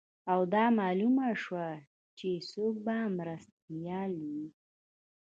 او دا معلومه شوه چې څوک به مرستیال وي